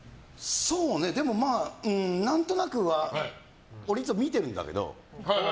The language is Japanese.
でも、何となくは俺、いつも見てるんだけど。